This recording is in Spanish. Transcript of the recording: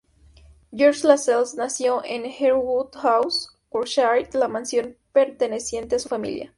George Lascelles nació en Harewood House, Yorkshire, la mansión perteneciente a su familia.